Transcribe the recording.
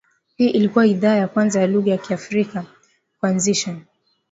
Hii ilikua idhaa ya kwanza ya lugha ya Kiafrika kuanzisha